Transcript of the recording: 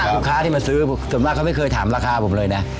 ลูกค้าที่มาซื้อส่วนมากเขาไม่เคยถามราคาผมเลยนะ